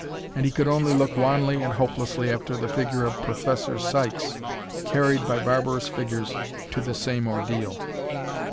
And he could only look wanly and hopelessly after the figure of Professor Sykes, carried by barbarous figures to the same ordeal.